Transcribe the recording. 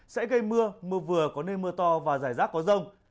sẽ gây mưa mưa vừa có nơi mưa to và rải rác có rông